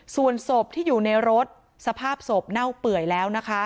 ส่วนศพที่อยู่ในรถสภาพศพเน่าเปื่อยแล้วนะคะ